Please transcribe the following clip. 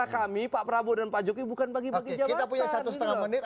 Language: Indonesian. kita punya satu setengah menit